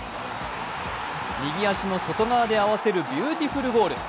右足の外側で合わせるビューティフルゴール。